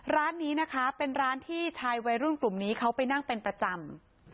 ร้านนี้นะคะเป็นร้านที่ชายวัยรุ่นกลุ่มนี้เขาไปนั่งเป็นประจำ